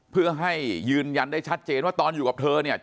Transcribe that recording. เพื่อให้ยืนยันได้ชัดเจนว่าตอนอยู่กับเธอเนี่ย